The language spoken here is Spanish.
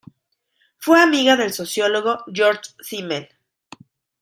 Fue amiga del sociólogo George Simmel.